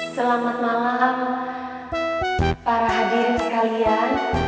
selamat malam para hadirin sekalian